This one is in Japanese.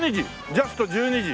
ジャスト１２時。